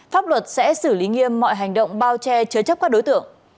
pháp luật sẽ xử lý nghiêm mọi hành động bao che chứa chấp các đối tượng